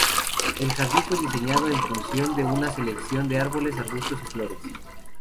El jardín fue diseñado en función de una selección de árboles, arbustos y flores.